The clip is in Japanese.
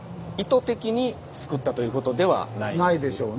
ないでしょうね。